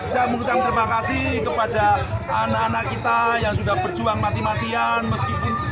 saya mengucapkan terima kasih kepada anak anak kita yang sudah berjuang mati matian meskipun